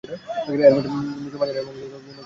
এরা নিচু, মাঝারি এবং উঁচু বিভিন্ন উচ্চতায় উড়তে পারে।